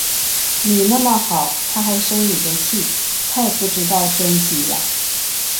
你那么好，她还生你的气，太不知道珍惜了